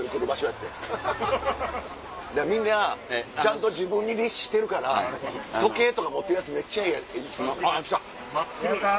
だからみんなちゃんと自分に律してるから時計とか持ってるヤツめっちゃ。あっ来た。